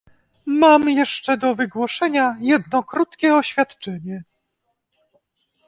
Mam jeszcze do wygłoszenia jedno krótkie oświadczenie